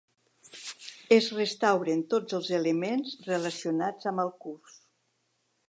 Es restauren tots els elements relacionats amb el curs.